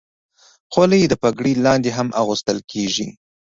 خولۍ د پګړۍ لاندې هم اغوستل کېږي.